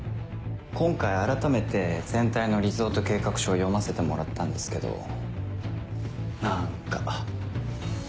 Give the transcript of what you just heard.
今回改めて全体のリゾート計画書を読ませてもらったんですけど何か。